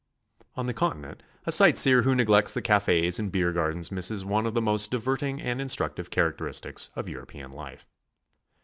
On the continent a sightseer who neglects the cafes and beer gardens misses one of the most diverting and instructive characteristics of European life.